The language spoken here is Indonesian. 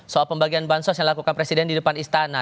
soal pembagian bansos yang dilakukan presiden di depan istana